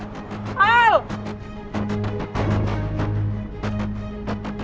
pokoknya mereka di obosil